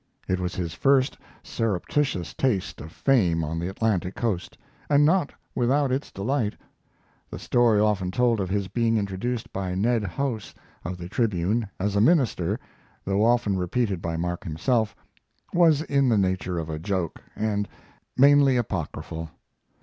It was his first surreptitious taste of fame on the Atlantic coast, and not without its delight. The story often told of his being introduced by Ned House, of the Tribune, as a minister, though often repeated by Mark Twain himself, was in the nature of a joke, and mainly apocryphal.